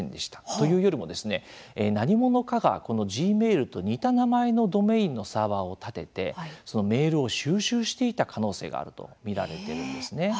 というよりも何者かがＧｍａｉｌと似た名前のドメインのサーバーを立ててメールを収集していた可能性があると見られているんですね。